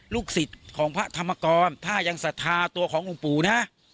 ลูกศิษย์ของพระธรรมกรถ้ายังศรัทธาตัวของหลวงปู่นะ